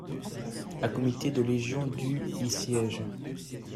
Le comité de légion du y siège.